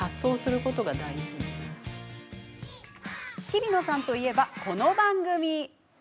ひびのさんといえば、この番組。